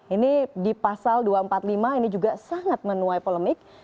ini di pasal dua ratus empat puluh lima ini juga sangat menuai polemik